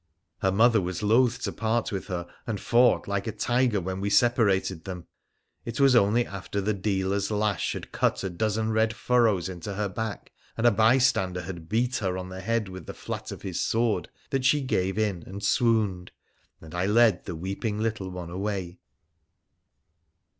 Her mother was loth to part with her, and fought like a tiger when we separated them. It was only after the dealer's lash had cut a dozen red furrows into her back, and a bystander had beat her on the head with the flat of his sword, that she gave in and swooned, and I led the weeping little one away.